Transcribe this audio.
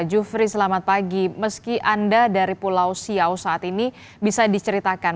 jufri selamat pagi meski anda dari pulau siau saat ini bisa diceritakan